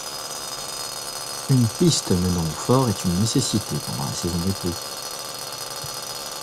Une piste menant au fort est une nécessité pendant la saison des pluies.